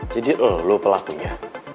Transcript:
jadi lo pelakunya